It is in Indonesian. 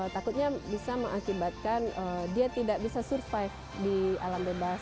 takutnya bisa mengakibatkan dia tidak bisa survive di alam bebas